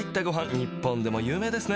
日本でも有名ですね。